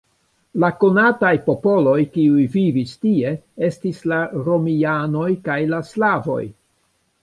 La konataj popoloj, kiuj vivis tie, estis la romianoj kaj la slavoj.